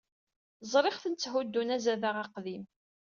Ẓriɣ-ten tthuddun azadaɣ aqdim.